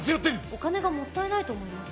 お金がもったいないと思います。